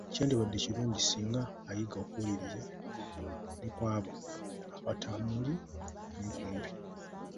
Tekyalibadde kirungi singa ayiga okuwuliriza ne kwabo abatamuli nnyo kumpi?